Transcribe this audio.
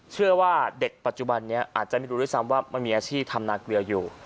เชื่อว่าเด็กปัจจุบันนี้อาจจะไม่รู้ด้วยซ้ำว่ามันมีอาชีพทำนาเกลืออยู่